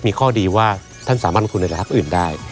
มีข้อดีว่าท่านสามารถลงทุนหลักธับอื่นได้